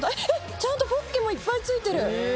ちゃんとポッケもいっぱいついてる！